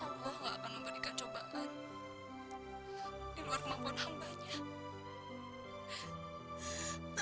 allah gak akan memberikan cobaan di luar kemampuan hambanya